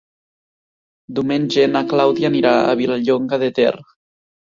Diumenge na Clàudia anirà a Vilallonga de Ter.